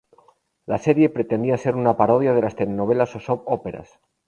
La serie pretendía ser una parodia de las telenovelas o Soap Operas.